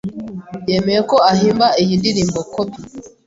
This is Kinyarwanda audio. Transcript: yemeye ko ahimba iyi ndirimbo Copy